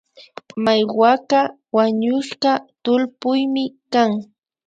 Maiwaka wañushka tullpuymi kan